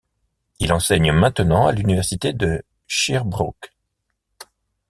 Il enseigne maintenant à l'Université de Sherbrooke.